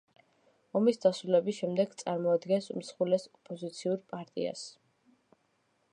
ომის დასრულების შემდეგ წარმოადგენს უმსხვილეს ოპოზიციურ პარტიას.